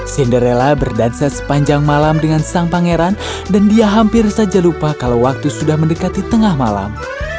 cinderella berdansa sepanjang malam dengan sang pangeran dan dia hampir saja lupa kalau waktu sudah mendekati tengah malam